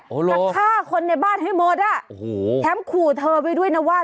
จะฆ่าคนในบ้านให้หมดอ่ะโอ้โหแถมขู่เธอไว้ด้วยนะว่า